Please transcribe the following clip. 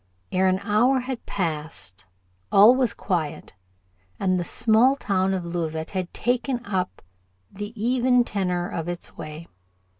Ere an hour had passed all was quiet, and the small town of Leauvite had taken up the even tenor of its way.